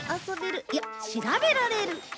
いや調べられる。